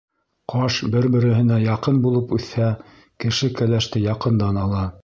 Ҡаш бер-береһенә яҡын булып үҫһә, кеше кәләште яҡындан ала.